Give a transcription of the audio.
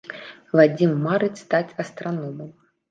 Вадзім марыць стаць астраномам.